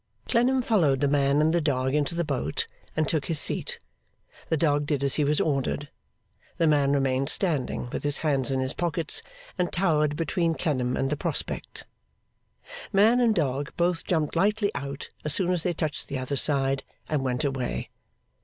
Clennam followed the man and the dog into the boat, and took his seat. The dog did as he was ordered. The man remained standing, with his hands in his pockets, and towered between Clennam and the prospect. Man and dog both jumped lightly out as soon as they touched the other side, and went away.